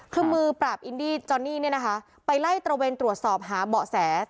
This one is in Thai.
คือมือปราบอินดี้จอนนี่เนี่ยนะคะไปไล่ตระเวนตรวจสอบหาเบาะแส